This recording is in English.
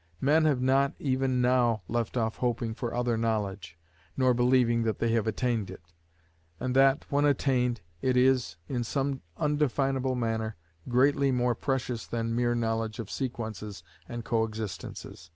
Men have not even now left off hoping for other knowledge, nor believing that they have attained it; and that, when attained, it is, in some undefinable manner, greatly more precious than mere knowledge of sequences and co existences.